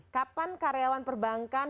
kapan karyawan perbankan